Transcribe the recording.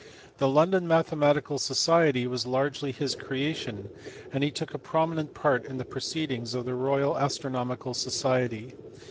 The London Mathematical Society was largely his creation, and he took a prominent part in the proceedings of the Royal Astronomical Society.